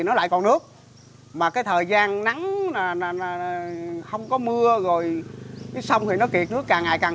nó lại còn nước mà cái thời gian nắng là là không có mưa rồi xong thì nó kiệt nước càng ngày càng